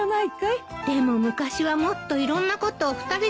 でも昔はもっといろんなことを２人で楽しんでいたし。